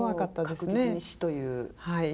確実に死という。